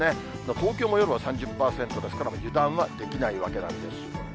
東京も夜は３０％ですから、油断はできないわけなんです。